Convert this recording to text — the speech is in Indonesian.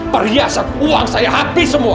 perhiasan uang saya hati semua